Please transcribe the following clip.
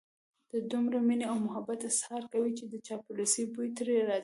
د دومره مينې او محبت اظهار کوي چې د چاپلوسۍ بوی ترې راځي.